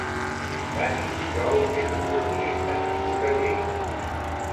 Dani Pujol és un futbolista nascut a Lleida.